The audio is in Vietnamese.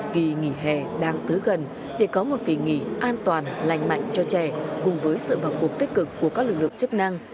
kỳ nghỉ hè đang tới gần để có một kỳ nghỉ an toàn lành mạnh cho trẻ cùng với sự vào cuộc tích cực của các lực lượng chức năng